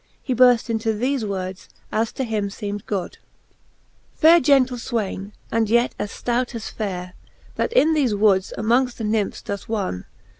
He burft into thefe words, as to him leemed good: XXV. Faire gentle fwayne, and yet as ftout as fayre, That in thefe woods amongft the Nymphs doft wonne.